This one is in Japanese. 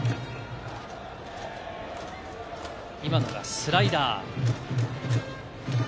今のがスライダー。